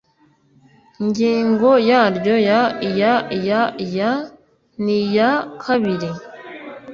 ngingo yaryo ya iya iya iya niya kabiri